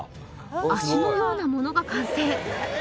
足のようなものが完成